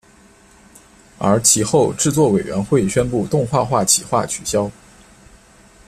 而其后制作委员会宣布动画化企划取消。